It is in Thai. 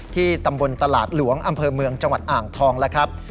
ตำบลตลาดหลวงอำเภอเมืองจังหวัดอ่างทองแล้วครับ